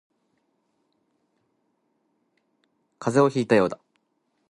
風邪をひいたようだ